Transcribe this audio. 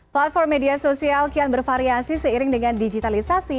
platform media sosial kian bervariasi seiring dengan digitalisasi